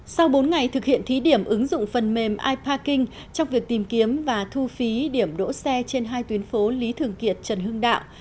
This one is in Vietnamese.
sau bốn ngày thực hiện thí điểm ứng dụng phần mềm iparking trong việc tìm kiếm và thu phí điểm đỗ xe trên hai tuyến phố lý thường kiệt trần hưng đạo